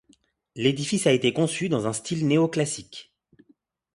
L'édifice a été conçu dans un style néo-classique.